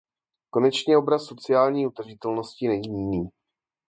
Konečně obraz sociální udržitelnosti není jiný.